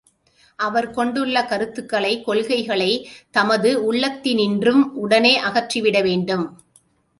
அவர் கொண்டுள்ளக் கருத்துக்களைக், கொள்கைகளைத் தமது உள்ளத்தினின்றும் உடனே அகற்றி விட வேண்டும்!